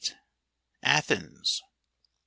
Athens .